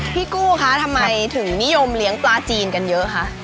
พี่กู้คะทำไมถึงนิยมเลี้ยงปลาจีนกันเยอะคะ